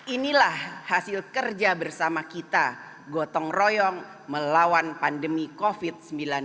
inilah hasil kerja bersama kita gotong royong melawan pandemi covid sembilan belas